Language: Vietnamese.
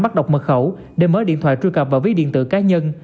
bắt đọc mật khẩu để mở điện thoại truy cập vào ví điện tử cá nhân